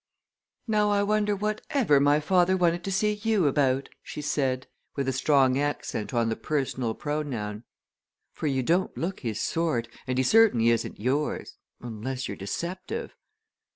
"Now I wonder whatever my father wanted to see you about?" she said, with a strong accent on the personal pronoun. "For you don't look his sort, and he certainly isn't yours unless you're deceptive."